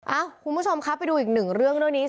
เอ้าคุณผู้ชมครับไปดูอีกหนึ่งเรื่องด้วยนี้